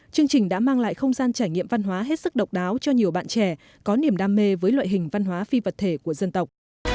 chương trình đã mang lại không gian trải nghiệm văn hóa hết sức độc đáo cho nhiều bạn trẻ có niềm đam mê với loại hình văn hóa phi vật thể của dân tộc